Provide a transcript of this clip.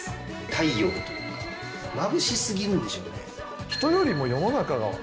太陽というかまぶしすぎるんでしょうね。